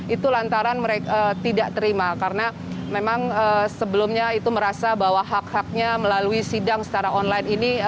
itu lantaran mereka tidak terima karena memang sebelumnya itu merasa bahwa hak haknya melalui sidang secara online ini